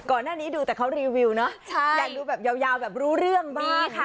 ก่อนหน้านี้ดูแต่เขารีวิวเนอะอยากดูแบบยาวแบบรู้เรื่องบ้างค่ะ